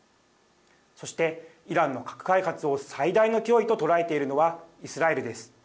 そしてイランの核開発を最大の脅威と捉えているのはイスラエルです。